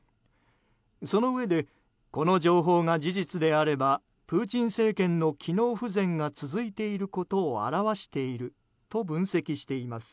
そのうえでこの情報が事実であるならばプーチン政権の機能不全が続いていることを表していると分析しています。